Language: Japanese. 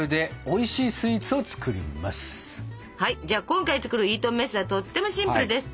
今回作るイートンメスはとってもシンプルです。